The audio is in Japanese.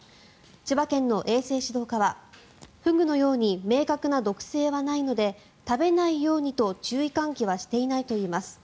千葉県の衛生指導課はフグのように明確な毒性はないので食べないようにと注意喚起はしていないといいます。